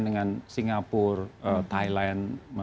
dengan singapura thailand